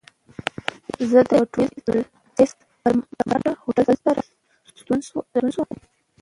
زه د یوه ټکسي پر مټ هوټل ته راستون شوم.